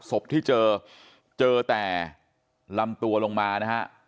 ศพที่เจอเจอแต่ลำตัวลงมานะฮะ